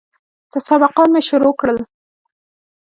چې سبقان مې شروع کړل.